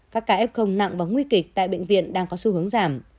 các ca ép công nặng và nguy kịch tại bệnh viện đang có xu hướng giảm